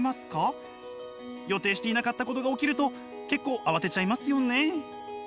予定していなかったことが起きると結構慌てちゃいますよね。